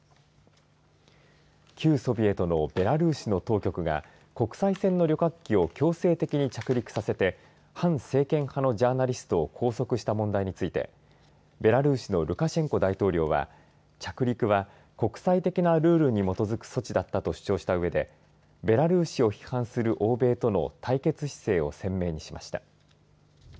旧ソビエトのベラルーシの当局が国際線の旅客機を強制的に着陸させて反政権派のジャーナリストを拘束した問題についてベラルーシのルカシェンコ大統領は着陸は国際的なルールに基づく措置だったとした主張したうえでベラルーシを批判する欧米との対決姿勢を鮮明にしました。